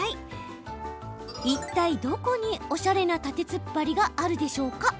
いったいどこにおしゃれな縦つっぱりがあるでしょうか？